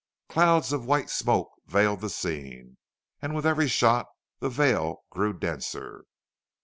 Clouds of white smoke veiled the scene, and with every shot the veil grew denser.